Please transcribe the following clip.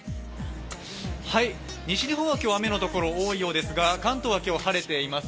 西日本は今日、雨のところ多いようですが、関東は今日、晴れています。